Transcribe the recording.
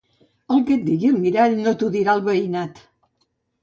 El que et digui el mirall, no t'ho dirà el veïnat.